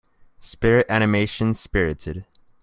Spirit animation Spirited.